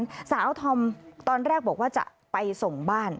ที่หน้าร้านสาวธรรมตอนแรกบอกว่าจะไปส่งบ้าน